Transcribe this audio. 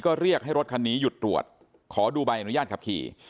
ก็เรียกให้รถคันนี้หยุดตรวจขอดูใบอนุญาตขับขี่